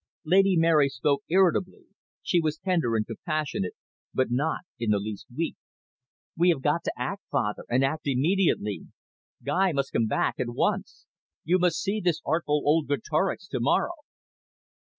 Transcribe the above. Lady Mary spoke irritably; she was tender and compassionate, but not in the least weak. "We have got to act, father, and act immediately. Guy must come back at once. You must see this artful old Greatorex to morrow."